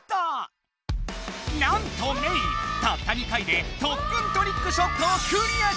なんとメイたった２回で特訓トリックショットをクリアしてしまった！